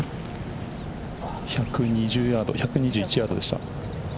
１２０ヤード１２１ヤードでした。